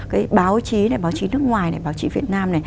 cái báo chí này báo chí nước ngoài này báo chí việt nam này